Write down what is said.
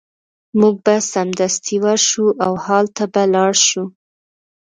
موږ به سمدستي ورشو او هلته به لاړ شو